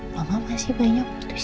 mama masih banyak butuh istirahat ya